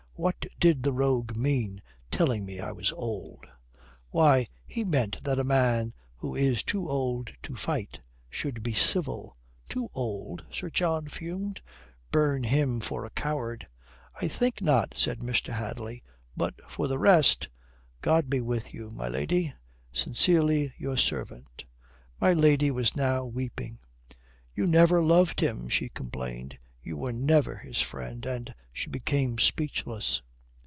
What did the rogue mean, telling me I was old?" "Why, he meant that a man who is too old to fight should be civil." "Too old?" Sir John fumed. "Burn him for a coward." "I think not," says Mr. Hadley. "But for the rest God be with you. My lady sincerely your servant." My lady was now weeping. "You never loved him," she complained. "You were never his friend," and she became speechless.